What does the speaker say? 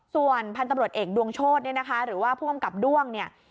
ส่วนพันธุ์ตำรวจเอกดวงโชธเนี่ยนะคะหรือว่าผู้กำกับด้วงเนี่ย